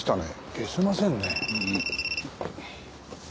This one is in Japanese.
解せませんね。